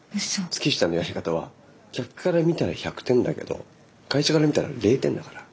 月下のやり方は客から見たら１００点だけど会社から見たら０点だから。